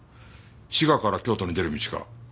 滋賀から京都に出る道か？